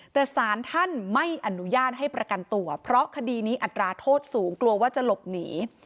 แต่สารท่านไม่อนุญาตให้ประกันตัวเพราะคดีนี้อัตราโทษสูงกลัวว่าจะหลบหนี